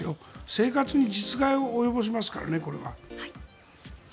生活に実害を及ぼしますからね。